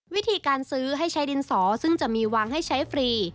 วิธีการซื้อให้ใช้ดินสอซึ่งจะมีวางให้ใช้ฟรี